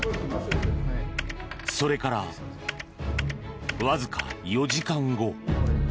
それから、わずか４時間後。